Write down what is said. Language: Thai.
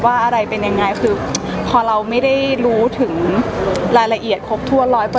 อะไรเป็นยังไงคือพอเราไม่ได้รู้ถึงรายละเอียดครบถ้วน๑๐๐